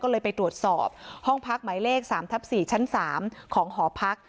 ก็เลยไปตรวจสอบห้องพักหมายเลข๓ทับ๔ชั้น๓ของหอพัก